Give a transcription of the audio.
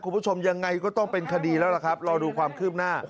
คุณผู้ชมอย่างไรก็ต้องเป็นคดีแล้วล่ะครับเดี๋ยวว่าดูความขึ้บหน้า